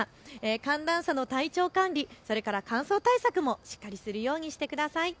寒暖差の体調管理、それから乾燥対策もしっかりするようにしてください。